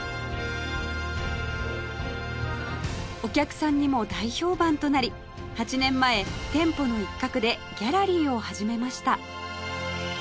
お客さんにも大評判となり８年前店舗の一角でギャラリーを始めました